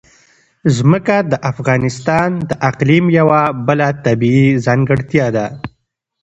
ځمکه د افغانستان د اقلیم یوه بله طبیعي ځانګړتیا ده.